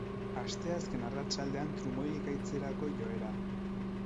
Asteazken arratsaldean trumoi-ekaitzerako joera.